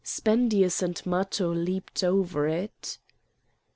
Spendius and Matho leaped over it.